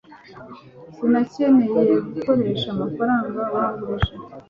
Sinakeneye gukoresha amafaranga wangurije